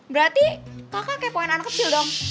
berarti kakak kepoin anak kecil dong